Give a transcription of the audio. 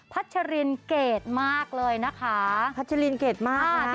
ัชรินเกรดมากเลยนะคะพัชรินเกรดมากค่ะ